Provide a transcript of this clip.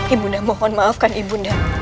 ibu dimohon maafkan ibu